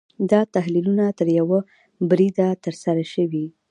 دا تحلیلونه تر یوه بریده ترسره شوي دي.